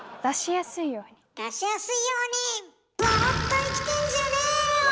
出しやすいように！